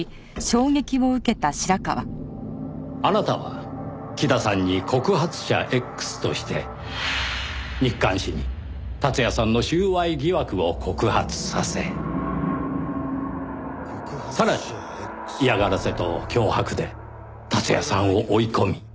あなたは木田さんに告発者Ｘとして日刊紙に達也さんの収賄疑惑を告発させさらに嫌がらせと脅迫で達也さんを追い込み。